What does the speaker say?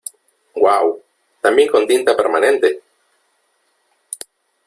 ¡ Uau !¡ también con tinta permanente !